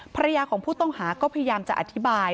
ภรรยาของผู้ต้องหาก็พยายามจะอธิบาย